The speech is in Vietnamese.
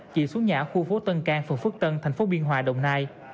chị xuống nhà ở khu phố tân cang phường phước tân tp biên hòa đồng nai